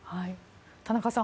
田中さん